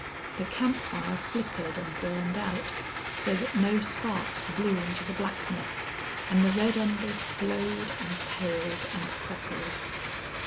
The camp fire flickered and burned out, so that no sparks blew into the blackness, and the red embers glowed and paled and crackled.